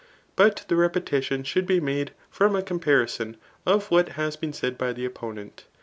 But the repetition should be made from a com parison of what has been said by the opponent.